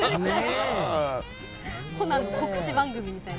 コナン、告知番組みたいな。